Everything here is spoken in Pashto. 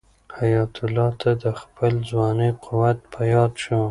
حیات الله ته د خپل ځوانۍ قوت په یاد شو.